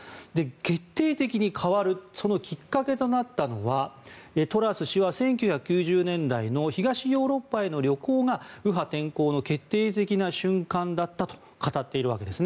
決定的に変わるそのきっかけとなったのはトラス氏は１９９０年代の東ヨーロッパへの旅行が右派転向の決定的な瞬間だったと語っているわけです。